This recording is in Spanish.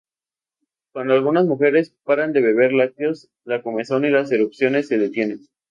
Cuando algunas mujeres paran de beber lácteos, la comezón y las erupciones se detienen.